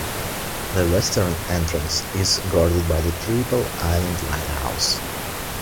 The western entrance is guarded by the Triple Island Lighthouse.